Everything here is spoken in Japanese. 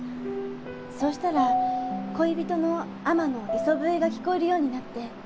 そうしたら恋人の海女の磯笛が聞こえるようになって。